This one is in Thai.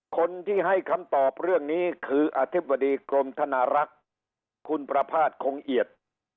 คนที่ให้คำตอบเรื่องนี้คืออธิบดีกรมธนารักษ์คุณประพาทคงเอียด